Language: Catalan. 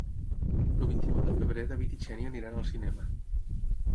El vint-i-nou de febrer en David i na Xènia iran al cinema.